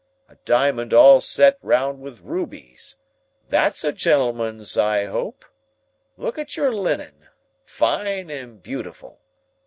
A diamond all set round with rubies; that's a gentleman's, I hope! Look at your linen; fine and beautiful!